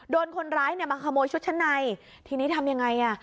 โดนคนร้ายเนี่ยมาขโมยชุดชั้นในทีนี้ทำยังไงอ่ะ